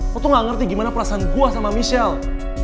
aku tuh gak ngerti gimana perasaan gue sama michelle